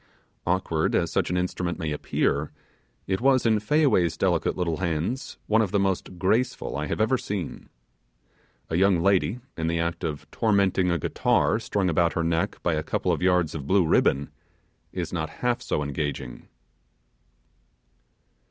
Awkward as such an instrument may appear, it was, in Fayaway's delicate little hands, one of the most graceful I have ever seen. A young lady, in the act of tormenting a guitar strung about her neck by a couple of yards of blue ribbon, is not half so engaging.